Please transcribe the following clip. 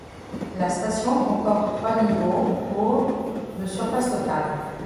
La station comporte trois niveaux pour de surface totale.